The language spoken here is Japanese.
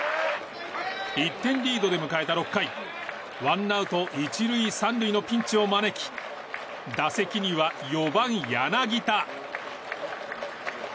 １点リードで迎えた６回ワンアウト１塁３塁のピンチを招き打席には４番、柳田。